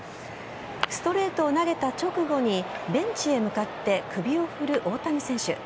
ストレートを投げた直後にベンチへ向かって首を振る大谷選手。